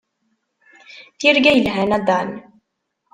Tirga yelhan a Dan.